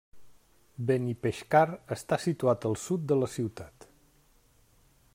Benipeixcar està situat al sud de la ciutat.